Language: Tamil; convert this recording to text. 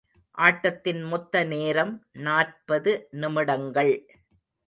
ஆட்டத்தின் மொத்த நேரம் நாற்பது நிமிடங்கள்.